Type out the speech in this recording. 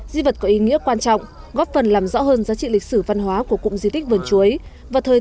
di vật có ý nghĩa quan trọng góp phần làm rõ hơn giá trị lịch sử văn hóa của cụm di tích vườn chuối và thời